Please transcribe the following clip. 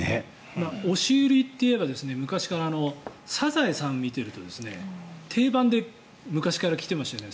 押し売りといえば昔から「サザエさん」を見ていると定番で昔から来てましたよね。